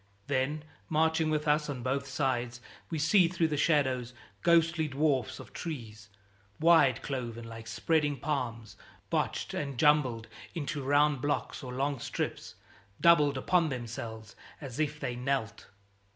Then, marching with us on both sides, we see through the shadows ghostly dwarfs of trees, wide cloven like spreading palms; botched and jumbled into round blocks or long strips; doubled upon themselves, as if they knelt.